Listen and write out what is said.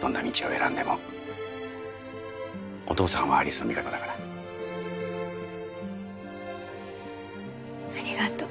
どんな道を選んでもお父さんは有栖の味方だからありがと